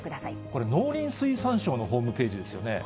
これ、農林水産省のホームページですよね。